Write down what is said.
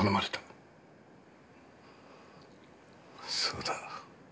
そうだ。